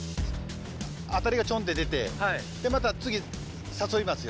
アタリがチョンって出てでまた次誘いますよ。